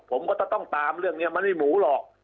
ผมก็จะต้องตามเรื่องนี้มันไม่หมูหรอก